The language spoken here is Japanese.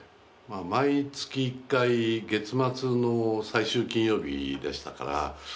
毎月１回月末の最終金曜日でしたから。